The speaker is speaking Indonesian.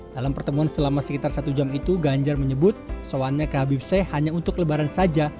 dalam pertemuan selama sekitar satu jam itu ganjar menyebut soalannya ke habib seh hanya untuk lebaran saja